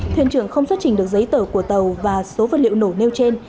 thuyền trưởng không xuất trình được giấy tờ của tàu và số vật liệu nổ nêu trên